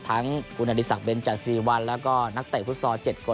ทั้งคุณณฤษักร์เบนจัดซิริวัลแล้วก็นักเตะฟุตซอร์เจ็ดโกรธ